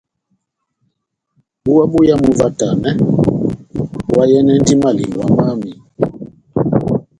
Búwa boyamu óvahtanɛ, oháyɛnɛndi malingwa mámi.